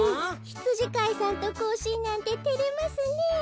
ひつじかいさんとこうしんなんててれますねえ。